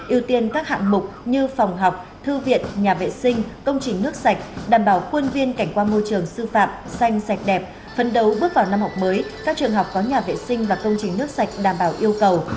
ưu tiên các hạng mục như phòng học thư viện nhà vệ sinh công trình nước sạch đảm bảo quân viên cảnh quan môi trường sư phạm xanh sạch đẹp phân đấu bước vào năm học mới các trường học có nhà vệ sinh và công trình nước sạch đảm bảo yêu cầu